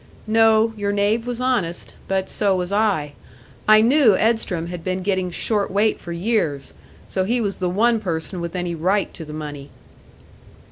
"No. Your knave was honest. But so was I. I knew Edstrom had been getting short weight for years, so he was the one person with any right to the money."